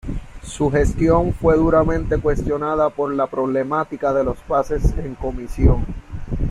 Su gestión fue duramente cuestionada por la problemática de los pases en comisión.